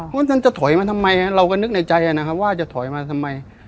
เพราะฉะนั้นจะถอยมาทำไมเราก็นึกในใจนะครับว่าจะถอยมาทำไม